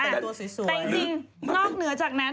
แต่จริงนอกเหนือจากนั้น